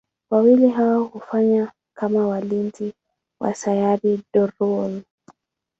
Wawili hao hufanya kama walinzi wa Sayari Drool.